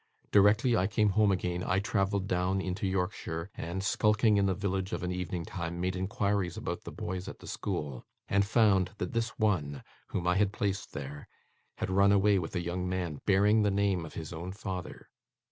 Directly I came home again, I travelled down into Yorkshire, and, skulking in the village of an evening time, made inquiries about the boys at the school, and found that this one, whom I had placed there, had run away with a young man bearing the name of his own father.